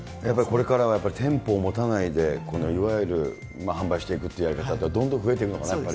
これからは店舗を持たないで、いわゆる販売していくというやり方はどんどん増えていくのかな、やっぱり。